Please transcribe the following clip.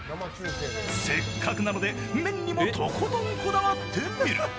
せっかくなので、麺にもとことんこだわってみる。